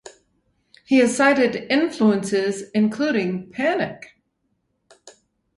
He has cited influences including Panic!